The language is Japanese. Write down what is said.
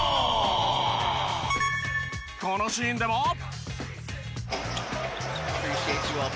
このシーンでも。